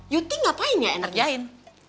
yuti ngapain ya ngerjain